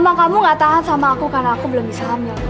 emang kamu gak tahan sama aku karena aku belum bisa ambil